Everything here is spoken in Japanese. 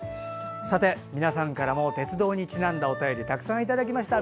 皆さんからも鉄道にちなんだお便りたくさんいただきました。